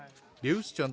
ini ada indikatornya